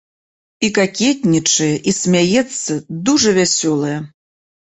І какетнічае, і смяецца, дужа вясёлая.